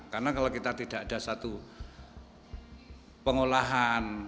karena kalau kita tidak ada satu pengolahan